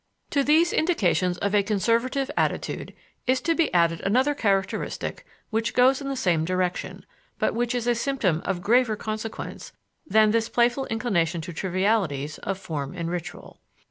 To these indications of a conservative attitude is to be added another characteristic which goes in the same direction, but which is a symptom of graver consequence that this playful inclination to trivialities of form and ritual.